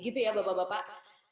gitu ya bapak bapak